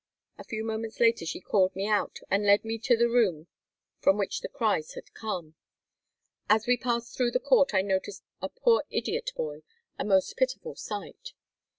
A few moments later she called me out, and led me to the room from which the cries had come. As we passed through the court I noticed a poor idiot boy, a most pitiful sight.